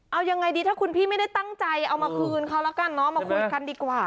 เอายังไงดีถ้าคุณพี่ไม่ได้ตั้งใจเอามาคืนเขาแล้วกันเนาะมาคุยกันดีกว่า